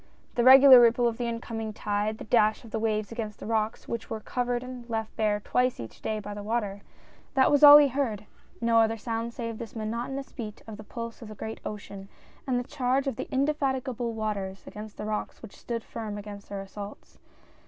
63 The regular ripple of the incoming tide, the dash of the waves against the rocks which were covered and left bare twice each day by the water, that was all he heard; no other sound save this monotonous beat of the pulse of the great, ocean, and the charge of the indefatigable waters against the rocks which stood firm against their assaults.